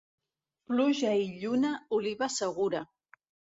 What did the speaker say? Pluja i lluna, oliva segura.